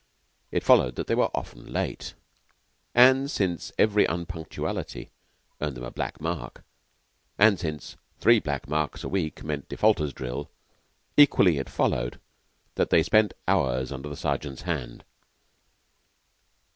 It followed that they were often late; and since every unpunctuality earned them a black mark, and since three black marks a week meant defaulters' drill, equally it followed that they spent hours under the Sergeant's hand.